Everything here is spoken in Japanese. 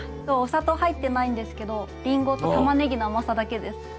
そうお砂糖入ってないんですけどりんごとたまねぎの甘さだけです。